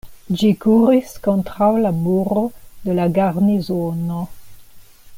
Ĝi kuris kontraŭ la muro de la garnizono.